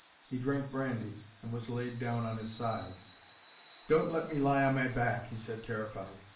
He drank brandy, and was laid down on his side. "Don't let me lie on my back," he said, terrified.